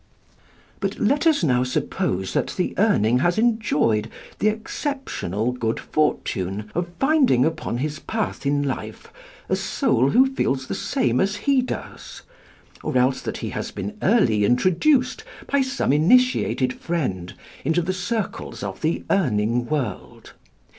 "But let us now suppose that the Urning has enjoyed the exceptional good fortune of finding upon his path in life a soul who feels the same as he does, or else that he has been early introduced by some initiated friend into the circles of the Urning world.